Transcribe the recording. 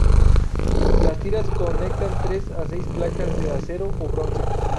Las tiras conectan tres a seis placas de acero o bronce.